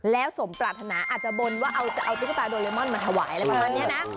แล้วสมปรารถนาอาจจะบนว่าจะเอาตุ๊กตาโดเรมอนมาถวายอะไรประมาณนี้นะ